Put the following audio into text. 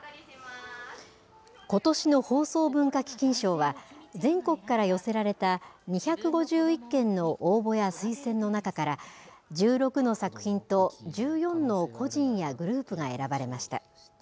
ことしの放送文化基金賞は、全国から寄せられた２５１件の応募や推薦の中から、１６の作品と１４の個人やグループが選ばれました。